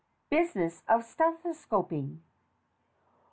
(Business of stethoscoping.)